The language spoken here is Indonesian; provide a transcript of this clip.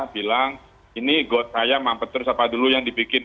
bilang ini got saya mampet terus apa dulu yang dibikin